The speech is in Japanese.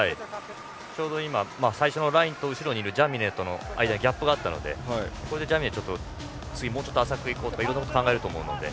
ちょうど今最初のラインと後ろにいるジャミネとの間にギャップがあったのでジャミネは次、もうちょっと浅くいこうとかいろいろ考えると思うので。